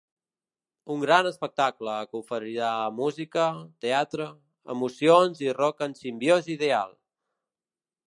Un gran espectacle que oferirà música, teatre, emocions i rock en simbiosi ideal!